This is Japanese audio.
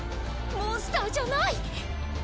モンスターじゃない！